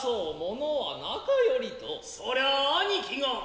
そりゃァ兄貴が。